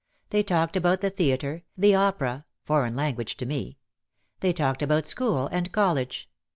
They talked about the theatre, the opera (foreign language to me). They talked about school and college.